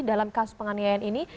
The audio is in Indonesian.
dalam kasus penganiayaan ini